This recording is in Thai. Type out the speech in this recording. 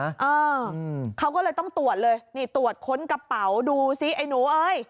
เออเขาก็เลยต้องตรวจเลยนี่ตรวจค้นกระเป๋าดูซิไอ้หนูเอ้ย